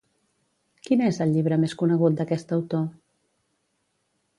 Quin és el llibre més conegut d'aquest autor?